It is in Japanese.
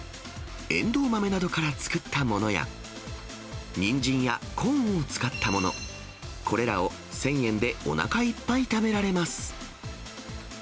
エンドウ豆などから作ったものや、ニンジンやコーンを使ったもの、これらを１０００円でおなかいっぱい食べられます。